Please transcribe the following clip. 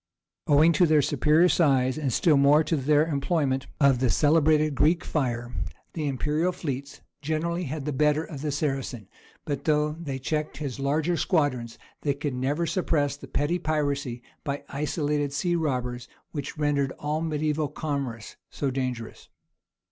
Owing to their superior size, and still more to their employment of the celebrated Greek fire, the imperial fleets generally had the better of the Saracen, but though they checked his larger squadrons, they could never suppress the petty piracy by isolated sea robbers, which rendered all mediæval commerce so dangerous.